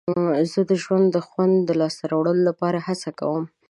زه د ژوند د خوند د لاسته راوړلو لپاره هڅه کوم.